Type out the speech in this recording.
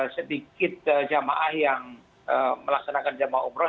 sedikit jemaah yang melaksanakan jemaah umroh